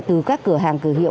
từ các cửa hàng cửa hiệu